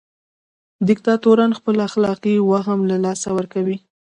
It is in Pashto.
دیکتاتوران خپل اخلاقي وهم له لاسه ورکوي.